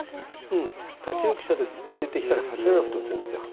うん８六飛車と出ていったら８七歩と打つんですよ。